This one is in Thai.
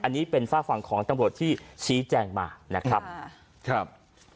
อันนี้เป็นฝากฝั่งของตำรวจที่ชี้แจงมานะครับครับ